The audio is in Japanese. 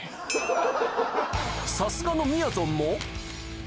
さすがのみやぞんも。